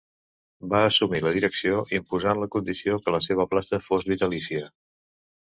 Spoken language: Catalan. Va assumir la direcció imposant la condició que la seva plaça fos vitalícia.